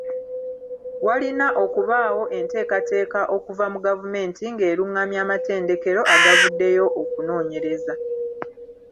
Walina okubaawo enteekateeka okuva mu gavumenti ng'erungamya amatendekero agavuddeyo okunoonyereza.